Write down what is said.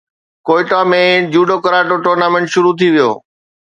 Quetta ۾ judo karate tournament شروع ٿي ويو